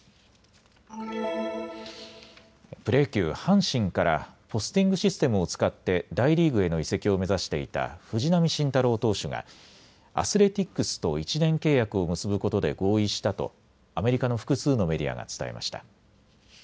プロ野球、阪神からポスティングシステムを使って大リーグへの移籍を目指していた藤浪晋太郎投手がアスレティックスと１年契約を結ぶことで合意したとアメリカの複数のメディアが伝えました。